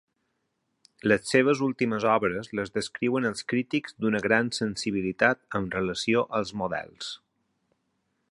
Les seves últimes obres les descriuen els crítics d'una gran sensibilitat amb relació als models.